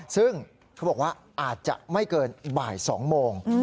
ซึ่งเขาบอกว่าอาจจะไม่เกินบ่าย๒โมง